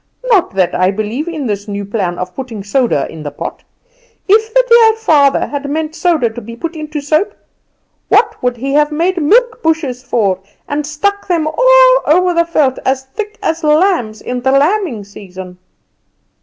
"Not that I believe in this new plan of putting soda in the pot. If the dear Father had meant soda to be put into soap what would He have made milk bushes for, and stuck them all over the veld as thick as lambs in the lambing season?"